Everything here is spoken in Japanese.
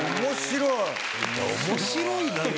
面白い。